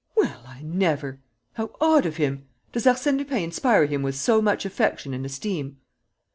"Well, I never! How odd of him! Does Arsène Lupin inspire him with so much affection and esteem?"